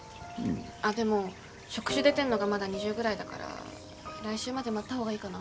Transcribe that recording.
あっでも触手出てんのがまだ２０ぐらいだから来週まで待った方がいいかな。